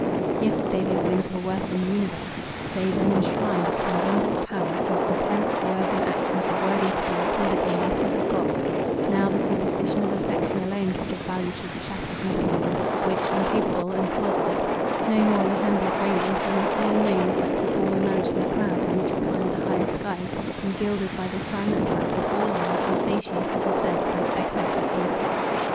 Yesterday those limbs were worth an universe; they then enshrined a transcendant power, whose intents, words, and actions were worthy to be recorded in letters of gold; now the superstition of affection alone could give value to the shattered mechanism, which, incapable and clod like, no more resembled Raymond, than the fallen rain is like the former mansion of cloud in which it climbed the highest skies, and gilded by the sun, attracted all eyes, and satiated the sense by its excess of beauty.